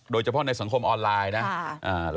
โดยเฉพาะในสังคมออนไลน์นะ